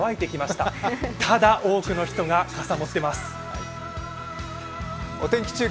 ただ、多くの人が傘を持っていますお天気中継